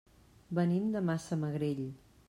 Venim de Massamagrell.